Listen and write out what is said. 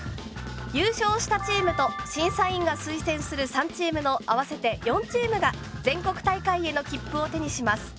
優勝したチームと審査員が推薦する３チームの合わせて４チームが全国大会への切符を手にします。